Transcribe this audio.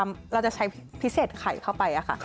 เราจะใช้พิเศษไข่เข้าไปค่ะ